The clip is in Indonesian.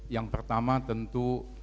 yang pertama tentu